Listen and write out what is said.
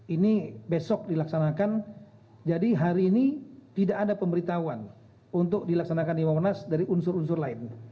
ini besok dilaksanakan jadi hari ini tidak ada pemberitahuan untuk dilaksanakan di wawonas dari unsur unsur lain